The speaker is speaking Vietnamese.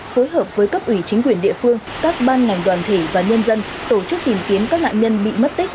phối hợp với cấp ủy chính quyền địa phương các ban ngành đoàn thể và nhân dân tổ chức tìm kiếm các nạn nhân bị mất tích